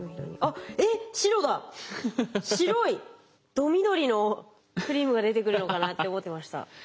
ど緑のクリームが出てくるのかなって思ってました。